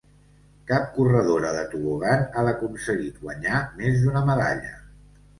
Cap corredora de tobogan ha aconseguit guanyar més d'una medalla.